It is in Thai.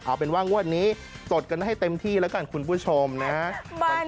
เอาเป็นว่างวดนี้จดกันให้เต็มที่แล้วกันคุณผู้ชมนะครับ